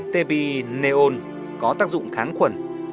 tp neon có tác dụng kháng khuẩn